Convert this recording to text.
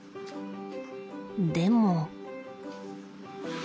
でも。